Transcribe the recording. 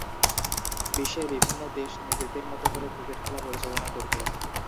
বিশ্বের বিভিন্ন দেশ নিজেদের মতো করে ক্রিকেট খেলা পরিচালনা করতো।